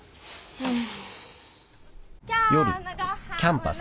うん。